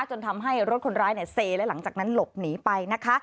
จนทำให้รถคนร้ายเนี่ยเซและหลังจากนั้นหลบหนีไปนะคะ